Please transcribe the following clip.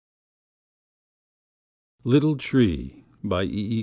little tree, by e.e.